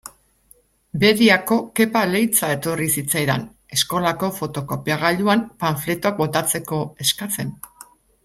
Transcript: Bediako Kepa Leiza etorri zitzaidan, eskolako fotokopiagailuan panfletoak botatzeko eskatzen.